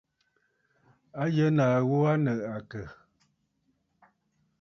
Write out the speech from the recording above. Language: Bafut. A yə nàa ghu aa nɨ àkə̀?